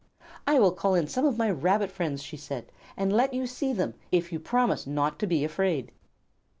"I will call in some of my Rabbit friends," she said, "and let you see them, if you will promise not to be afraid."